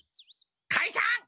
かいさん！